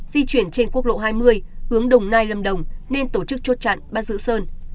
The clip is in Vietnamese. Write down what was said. di chuyển trên quốc lộ hai mươi hướng đồng nai lâm đồng nên tổ chức chốt chặn bắt giữ sơn